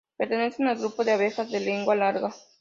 Pertenecen al grupo de abejas de lengua larga.